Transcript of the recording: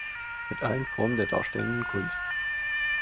Mit allen Formen der darstellenden Kunst.